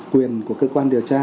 quyền của cơ quan điều tra